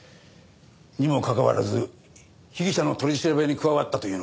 にもかかわらず被疑者の取り調べに加わったというのは。